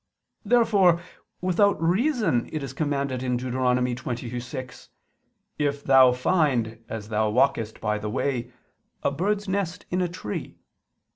Therefore without reason is it commanded (Deut. 22:6): "If thou find, as thou walkest by the way, a bird's nest in a tree